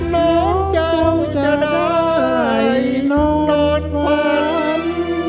น้องเจ้าจะได้โดดฝัน